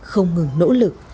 không ngừng nỗ lực